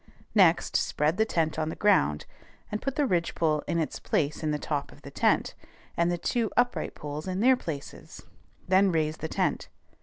Next spread the tent on the ground, and put the ridgepole in its place in the top of the tent, and the two upright poles in their places. Then raise the tent.